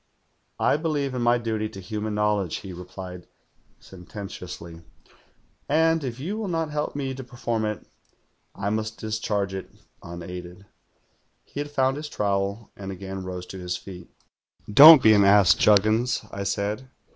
"'I believe in my duty to human knowledge,' he replied sententiously. 'And if you will not help me to perform it, I must discharge it unaided.' THE GHOUL 125 "He had found his trowel, and again rose to his feet. '" Don't be an ass, Juggins,' I said.